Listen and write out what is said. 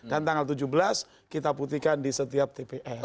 dan tanggal tujuh belas kita putihkan di setiap tps